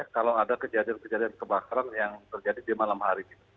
kalau ada kejadian kejadian kebakaran yang terjadi di malam hari